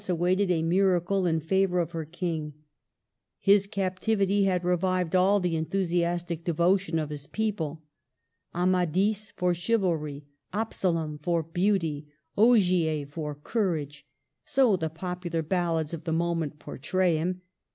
awaited a miracle in favor of her King. His cap tivity had revived all the enthusiastic devotion of his people. Amadis for chivalry, Absalom for beauty, Ogier for courage, — so the popular ballads of the moment portray him.